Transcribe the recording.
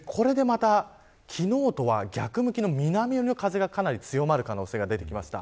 昨日とは逆向きの南寄りの風が強まる可能性が出てきました。